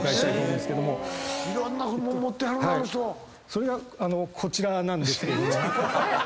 それがこちらなんですけども。